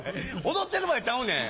踊ってる場合ちゃうねん！